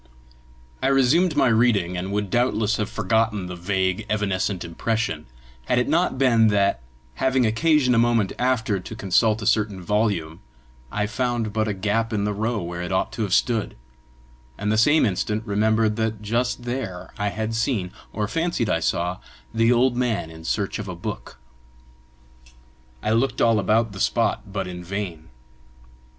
I resumed my reading, and would doubtless have forgotten the vague, evanescent impression, had it not been that, having occasion a moment after to consult a certain volume, I found but a gap in the row where it ought to have stood, and the same instant remembered that just there I had seen, or fancied I saw, the old man in search of a book. I looked all about the spot but in vain.